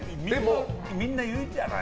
みんな言うじゃない。